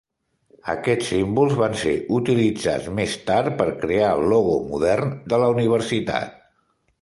Aquests símbols van ser utilitzats més tard per crear el logo modern de la universitat.